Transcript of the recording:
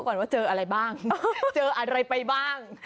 ก็ไปถามเขาก่อนว่าเจออะไรบ้าง